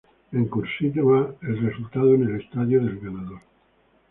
En "cursiva", resultado en el estadio del ganador.